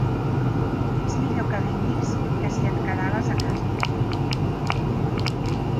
És millor que vinguis que si et quedaves a casa.